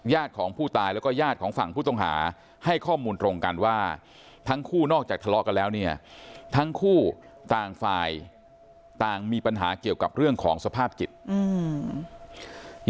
ของผู้ตายแล้วก็ญาติของฝั่งผู้ต้องหาให้ข้อมูลตรงกันว่าทั้งคู่นอกจากทะเลาะกันแล้วเนี่ยทั้งคู่ต่างฝ่ายต่างมีปัญหาเกี่ยวกับเรื่องของสภาพจิตอืม